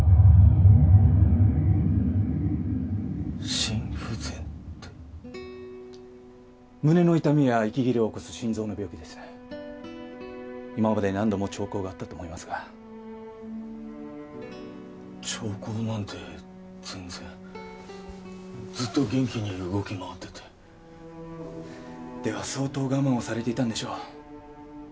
心不全って胸の痛みや息切れを起こす心臓の病気です今まで何度も兆候があったと思いますが兆候なんて全然ずっと元気に動き回ってて・では相当我慢をされていたんでしょう